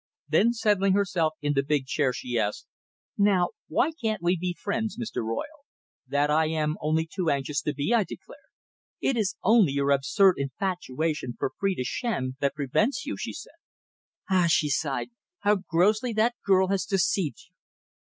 Then, settling herself in the big chair, she asked: "Now, why can't we be friends, Mr. Royle?" "That I am only too anxious to be," I declared. "It is only your absurd infatuation for Phrida Shand that prevents you," she said. "Ah!" she sighed. "How grossly that girl has deceived you!"